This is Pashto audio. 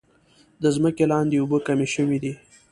د ځمکې لاندې اوبه کمې شوي دي.